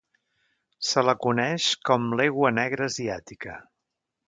Se la coneix com l'Egua negra asiàtica.